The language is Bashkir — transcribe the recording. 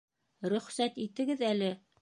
Рөхсәт итегеҙ әле!